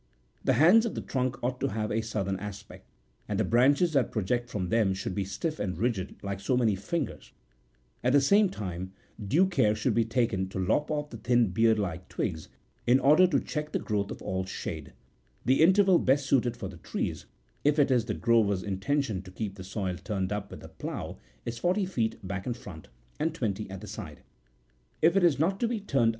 The hands56 of the trunk ought to have a southern aspect, and the branches that project from them should be stiff and rigid like so many fingers ; at the same time due care should be taken to lop off the thin beardlike twigs, in order to check the growth of all shade. The interval best suited for the trees, if it is the grower's in tention to keqj the soil turned up with the plough, is forty feet back and front, and twenty at the side ; if it is not to be turned 54 All these trees are still employed for the purpose in Italy. 65 B. xvi.